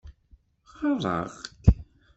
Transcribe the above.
Ɣaḍeɣ-k?